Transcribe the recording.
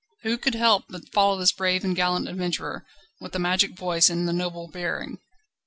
Who could help but follow this brave and gallant adventurer, with the magic voice and the noble bearing?